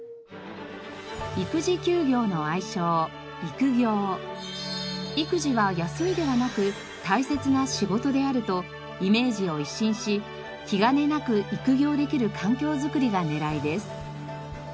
育児は休みではなく大切な仕事であるとイメージを一新し気兼ねなく育業できる環境づくりが狙いです。